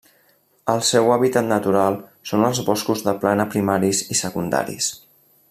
El seu hàbitat natural són els boscos de plana primaris i secundaris.